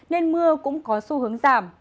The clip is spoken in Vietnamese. nên mưa cũng có xu hướng giảm